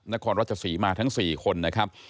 นครรัชศรีมาทั้ง๔คนนะครับ